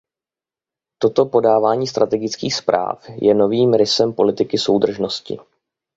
Toto podávání strategických zpráv je novým rysem politiky soudržnosti.